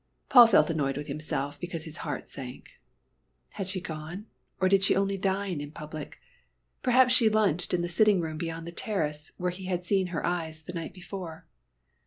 Paul felt annoyed with himself because his heart sank. Had she gone? Or did she only dine in public? Perhaps she lunched in the sitting room beyond the terrace, where he had seen her eyes the night before.